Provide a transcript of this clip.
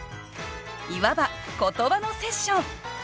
いわば言葉のセッション。